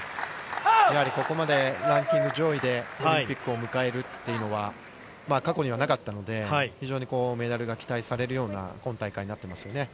やはりここまでランキング上位でオリンピックを迎えるっていうのは、過去にはなかったので、非常にメダルが期待されるような今大会になってますよね。